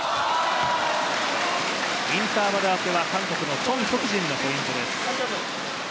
インターバル明けは韓国のチョン・ヒョクジンのポイントです。